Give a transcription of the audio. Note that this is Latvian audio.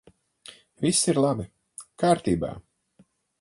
Viss ir labi! Kārtībā!